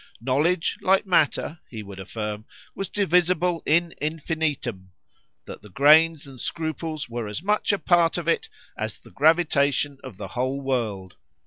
Knowledge, like matter, he would affirm, was divisible in infinitum;——that the grains and scruples were as much a part of it, as the gravitation of the whole world.